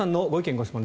・ご質問